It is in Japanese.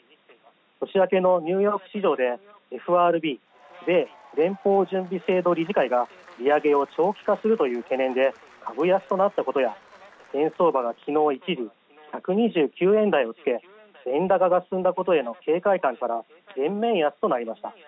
年明けのニューヨーク市場でＦＲＢ・米連邦準備制度理事会が利上げを長期化するという懸念で株安となったことや円相場が昨日一時１２９円台をつけ円高が進んだことへの警戒感から全面安となりました。